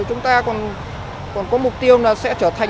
chúng ta còn có mục tiêu là sẽ trở thành